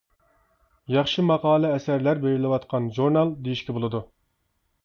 ياخشى ماقالە-ئەسەرلەر بېرىلىۋاتقان ژۇرنال، دېيىشكە بولىدۇ.